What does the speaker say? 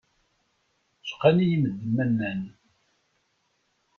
Cqan-iyi medden ma nnan.